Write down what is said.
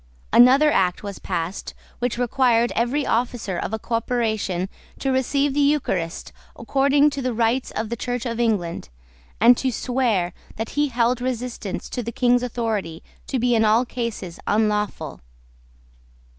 Another act was passed which required every officer of a corporation to receive the Eucharist according to the rites of the Church of England, and to swear that he held resistance to the King's authority to be in all cases unlawful.